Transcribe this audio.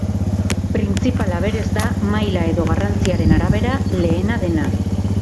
Printzipala berez da, maila edo garrantziaren arabera lehena dena.